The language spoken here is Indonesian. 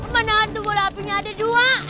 menahan tubuh apinya ada dua